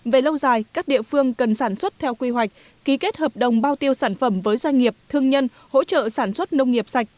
về lâu dài các địa phương cần sản xuất theo quy hoạch ký kết hợp đồng bao tiêu sản phẩm với doanh nghiệp thương nhân hỗ trợ sản xuất nông nghiệp sạch